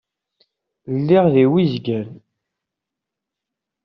Lliɣ di Wizgan.